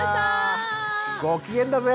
ご機嫌だぜ！